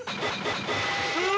うわ！